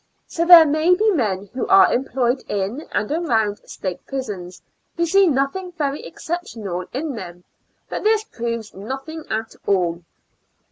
So there may be men who are employed in and around State prisons, who see nothing very excep tionable in them. But this jDroves nothing at all.